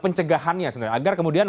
pencegahannya sebenarnya agar kemudian